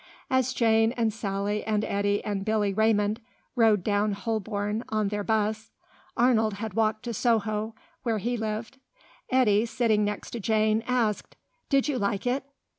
As Jane and Sally and Eddy and Billy Raymond rode down Holborn on their bus (Arnold had walked to Soho, where he lived) Eddy, sitting next Jane, asked "Did you like it?"